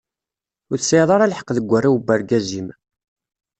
Ur tesɛiḍ ara lḥeq deg warraw n urgaz-im.